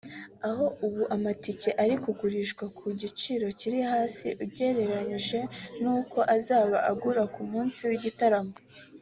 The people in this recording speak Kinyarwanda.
aho ubu amatike ari kugurishwa ku giciro cyiri hasi ugereranyije n’uko azaba agura ku munsi w’igitaramo